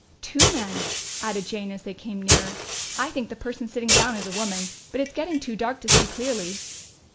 "Two men," added Jane as they came nearer. "I think the person sitting down is a woman. But it's getting too dark to see clearly."